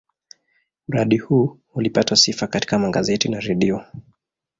Mradi huu ulipata sifa katika magazeti na redio.